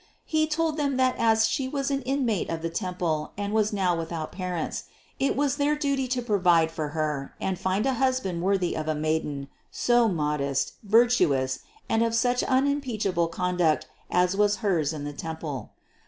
He told them that as She was an inmate of the temple and was now without parents, it was their duty to provide for Her and find a husband worthy of a Maiden so modest, virtuous and of such unimpeachable conduct as was hers in the temple.